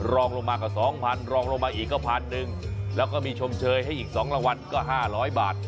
รองลงมาก็๒๐๐รองลงมาอีกก็พันหนึ่งแล้วก็มีชมเชยให้อีก๒รางวัลก็๕๐๐บาท